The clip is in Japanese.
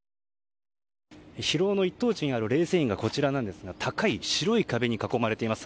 広尾の一等地にある霊泉院がこちらなんですが高い白い壁に囲まれています。